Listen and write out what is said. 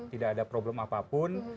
tidak ada problem apapun